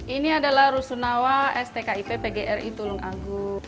ini adalah rusunawa stkip pgri tulung agung